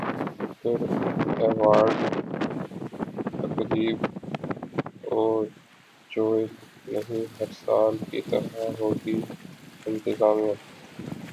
سکر awards تقریب virtual نہیں ہر سال کی طرح ہوگی انتظامیہ